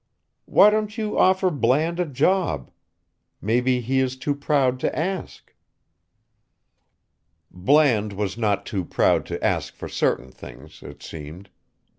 Why don't you offer Bland a job? Maybe he is too proud to ask." Bland was not too proud to ask for certain things, it seemed.